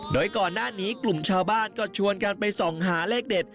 โดยก่อนหน้านี้กลุ่มชาวบ้านก็ชวนกันไปส่องหาเลขเด็ด